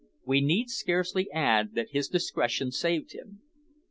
We need scarcely add that his discretion saved him.